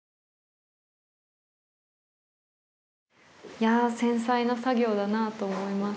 いや繊細な作業だなと思います